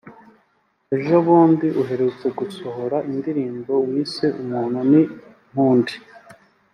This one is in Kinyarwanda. Ejo bundi uherutse gusohora indirimbo wise Umuntu ni nk’Undi